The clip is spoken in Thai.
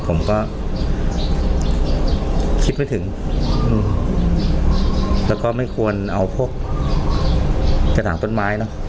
ผมก็คิดไม่ถึงแล้วก็ไม่ควรเอาพวกกระถางต้นไม้เนอะ